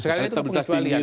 sekali lagi itu pengecualian